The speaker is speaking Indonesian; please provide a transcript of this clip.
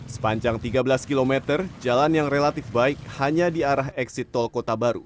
sepanjang tiga belas km jalan yang relatif baik hanya di arah eksit tol kota baru